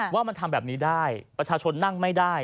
ว่ามันทำแบบนี้ได้ประชาชนนั่งไม่ได้